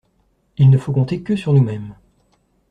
Il ne faut compter que sur nous-mêmes.